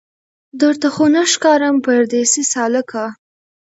درته خو نه ښکارم پردۍ سالکه